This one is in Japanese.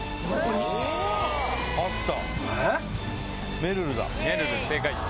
あった！